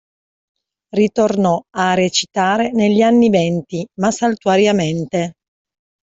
Ritornò a recitare negli anni venti, ma saltuariamente.